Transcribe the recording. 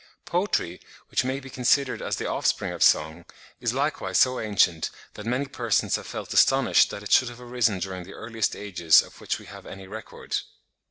Poetry, which may be considered as the offspring of song, is likewise so ancient, that many persons have felt astonished that it should have arisen during the earliest ages of which we have any record.